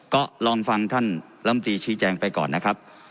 ก็ลองฟังท่านลำตีชี้แจงไปก่อนนะครับ